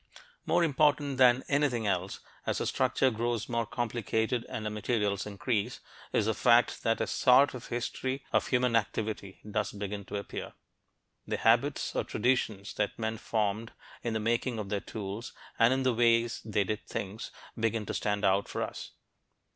More important than anything else as our structure grows more complicated and our materials increase is the fact that "a sort of history of human activity" does begin to appear. The habits or traditions that men formed in the making of their tools and in the ways they did things, begin to stand out for us.